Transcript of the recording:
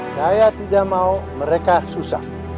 saya tidak mau mereka susah